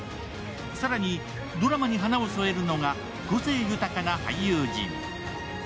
更に、ドラマに華を添えるのが個性豊かな俳優陣。